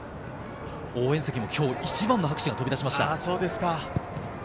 応援席も今日一番の拍手が飛び出します。